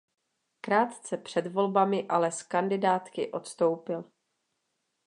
Krátce před volbami ale z kandidátky odstoupil.